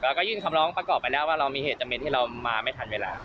แล้วก็ยื่นคำร้องประกอบไปแล้วว่าเรามีเหตุจำเป็นที่เรามาไม่ทันเวลา